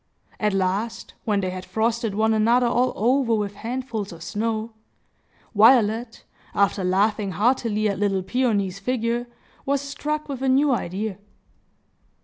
At last, when they had frosted one another all over with handfuls of snow, Violet, after laughing heartily at little Peony's figure, was struck with a new idea.